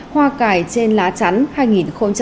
hoa cải trên lá trắng hai nghìn hai mươi hai